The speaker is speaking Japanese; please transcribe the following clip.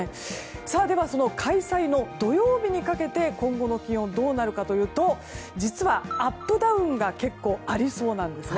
では、開催の土曜日にかけて今後の気温がどうなるかというと実は、アップダウンが結構ありそうなんです。